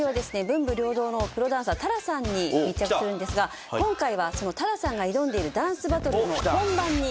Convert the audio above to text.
文武両道のプロダンサーＴａｒａさんに密着するんですが今回はそのＴａｒａさんが挑んでいるダンスバトルの本番に。